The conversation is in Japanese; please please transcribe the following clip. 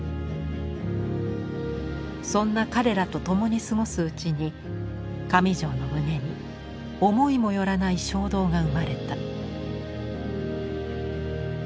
そんな彼らと共に過ごすうちに上條の胸に思いもよらない衝動が生まれた。